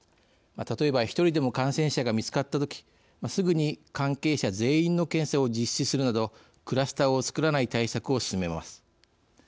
例えば、１人でも感染者が見つかったとき、すぐに関係者全員の検査を実施するなどクラスターをつくらない対策を進めます。